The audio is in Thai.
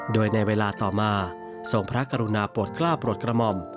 โดยในเวลาต่อมาทรงพระกรุณาโปรดกล้าโปรดกระหม่อม